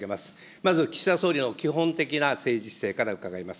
まず岸田総理の基本的な政治姿勢から伺います。